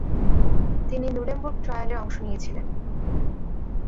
তিনি নুরেমবুর্গ ট্রায়ালে অংশ নিয়েছিলেন।